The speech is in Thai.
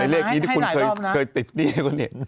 อ๋อเลขนี้ที่คุณเคยติดตรงนี้คุณเห็น